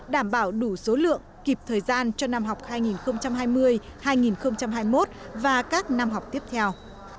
đảm bảo đủ số lượng kịp thời gian cho năm học hai nghìn hai mươi hai nghìn hai mươi một và các năm học tiếp theo